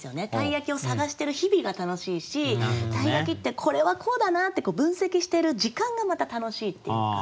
鯛焼を探してる日々が楽しいし鯛焼ってこれはこうだなって分析してる時間がまた楽しいっていうか。